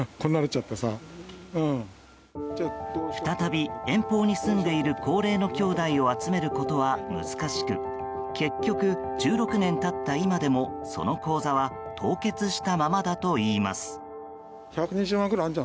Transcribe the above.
再び、遠方に住んでいる高齢のきょうだいを集めることは難しく結局、１６年経った今でもその口座は凍結したままだといいます。